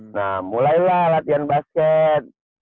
nah mulailah latihan basket